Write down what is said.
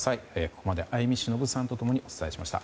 ここまで、相見忍さんと共にお伝えしました。